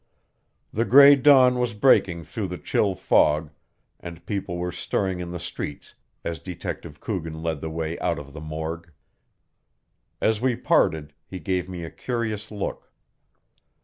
The gray dawn was breaking through the chill fog, and people were stirring in the streets as Detective Coogan led the way out of the morgue. As we parted he gave me a curious look.